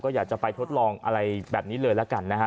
อยากจะไปทดลองอะไรแบบนี้เลยละกันนะฮะ